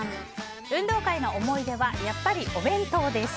運動会の思い出はやっぱりお弁当です。